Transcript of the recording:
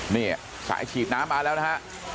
นี่สายฉีดน้ำมาแล้วนะฮะ